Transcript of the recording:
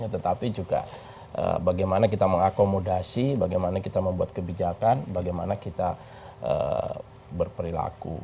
tetapi juga bagaimana kita mengakomodasi bagaimana kita membuat kebijakan bagaimana kita berperilaku